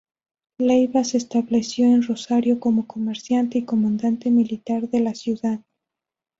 Leiva se estableció en Rosario como comerciante y comandante militar de la ciudad.